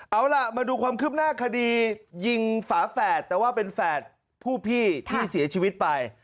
เอาล่ะมาดูความคืบหน้าคดียิงฝาแฝดแต่ว่าเป็นแฝดผู้พี่ที่เสียชีวิตไป